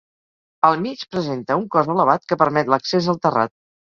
Al mig presenta un cos elevat que permet l'accés al terrat.